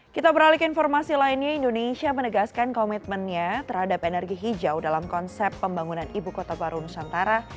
kita beralih ke informasi lainnya indonesia menegaskan komitmennya terhadap energi hijau dalam konsep pembangunan ibu kota baru nusantara